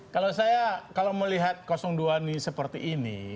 kalau saya melihat kosong dua ini seperti ini